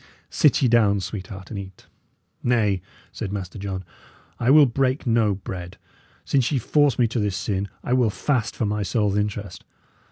Sit ye down, sweetheart, and eat." "Nay," said Master John, "I will break no bread. Since ye force me to this sin, I will fast for my soul's interest.